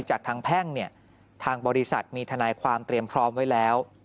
จากทางแพ่งเนี่ยทางบริษัทมีทนายความเตรียมพร้อมไว้แล้ว